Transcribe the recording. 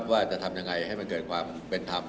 ว่าจะทำยังไงให้มันเกิดความเป็นธรรม